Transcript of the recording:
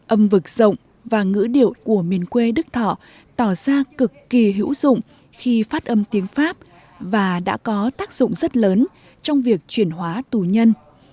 âm vực rộng và ngữ điệu của miền quê đức thọ tỏ ra cực kỳ hữu dụng khi phát âm tiếng pháp và đã có tác dụng rất lớn trong việc chuyển hóa tù nhân